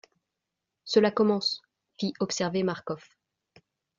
Cela commence ! fit observer Marcof.